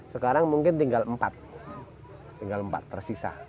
sekarang mungkin tinggal empat tinggal empat tersisa